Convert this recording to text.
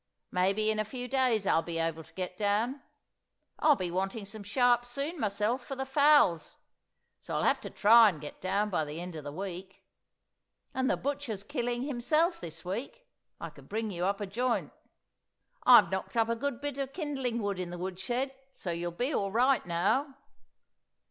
Maybe in a few days I'll be able to get down. I'll be wanting some sharps soon myself for the fowls, so I'll have to try and get down by the end of the week. And the butcher's killing himself this week, I could bring you up a j'int. I've knocked up a good bit of kindling wood in the wood shed, so you'll be all right now."